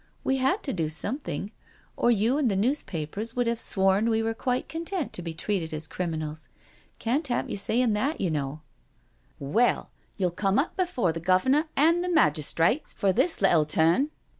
" We had to do something, or you and the news BEHIND PRISON BARS 267 papers would have sworn we were quite content to be treated as criminals— can't have you sayin' that, you know I "Well, you'll come up before the Governor an* the magistrates for this little turn.